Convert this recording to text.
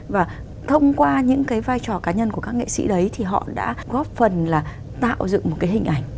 và thông qua những cái vai trò cá nhân của các nghệ sĩ đấy thì họ đã góp phần là tạo dựng một cái hình ảnh